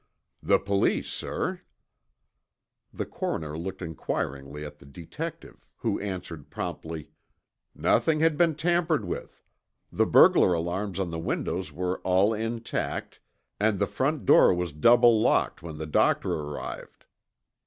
"The police, sir." The coroner looked inquiringly at the detective, who answered promptly: "Nothing had been tampered with. The burglar alarms on the windows were all intact and the front door was double locked when the doctor arrived."